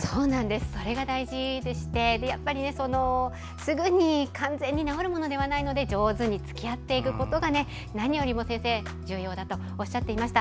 それが大事でしてすぐに完全に治るものではないので上手につきあっていくことが何よりも重要だと、先生はおっしゃっていました。